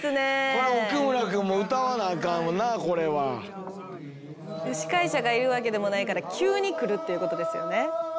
これは奥村君も歌わなあかんもんなこれは。司会者がいるわけでもないから急に来るっていうことですよね。